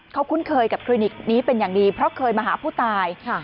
เขาคุ้นเคยกับคลินิกนี้เป็นอย่างดีเพราะเคยมาหาผู้ตาย